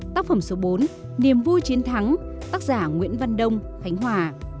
tác phẩm số bốn niềm vui chiến thắng tác giả nguyễn văn đông khánh hòa